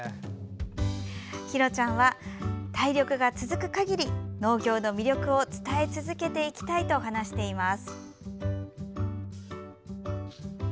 ひろちゃんは体力が続く限り、農業の魅力を伝え続けていきたいと話しています。